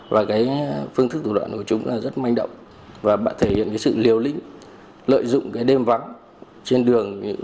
và cái phương thức tụ đoạn của chúng rất manh động và thể hiện sự liều lĩnh lợi dụng đêm vắng trên đường